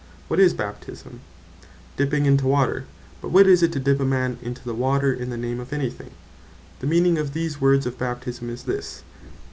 What is Baptisme? Dipping into water. But what is it to Dip a man into the water in the name of any thing? The meaning of these words of Baptisme is this.